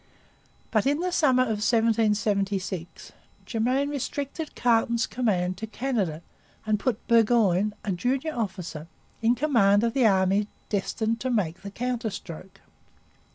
But in the summer of 1776 Germain restricted Carleton's command to Canada and put Burgoyne, a junior officer, in command of the army destined to make the counterstroke.